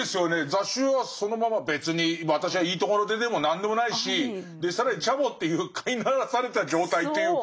「雜種」はそのまま別に私はいいとこの出でも何でもないし更にチャボっていう飼いならされた状態というか。